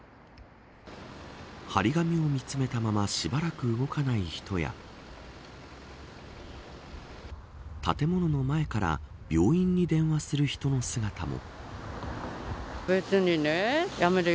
貼り紙を見つめたまましばらく動かない人や建物の前から病院に電話する人の姿も。